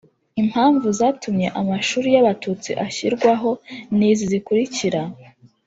Impamvu zatumye amashuri y'Abatutsi ashyirwaho ni izi zikurikira